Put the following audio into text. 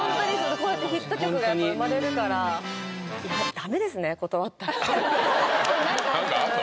こうやってヒット曲がやっぱ生まれるからいや何かあった？